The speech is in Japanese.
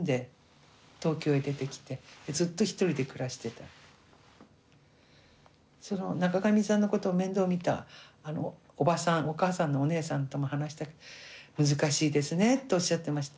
そのままその中上さんのことを面倒みたおばさんお母さんのお姉さんとも話したけど難しいですねっておっしゃってました。